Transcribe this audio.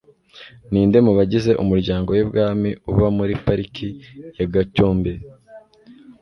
Ninde mu bagize umuryango wibwami uba muri Parike ya Gatcombe?